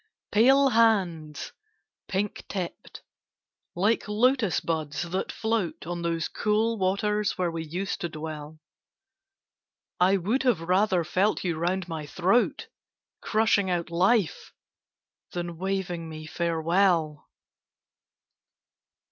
Pale hands, pink tipped, like Lotus buds that float On those cool waters where we used to dwell, I would have rather felt you round my throat, Crushing out life, than waving me farewell!